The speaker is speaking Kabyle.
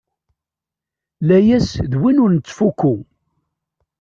Layas d win ur nettfukku.